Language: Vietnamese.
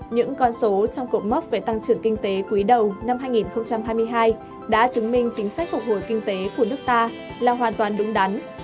những con số trong cột mốc về tăng trưởng kinh tế quý đầu năm hai nghìn hai mươi hai đã chứng minh chính sách phục hồi kinh tế của nước ta là hoàn toàn đúng đắn